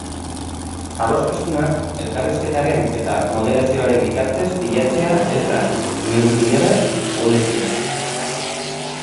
Adostasunak elkarrizketaren eta moderazioaren bitartez bilatzea ez da, inondik inora, ahulezia.